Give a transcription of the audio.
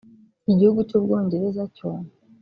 Igihugu cy’u Bwongereza cyo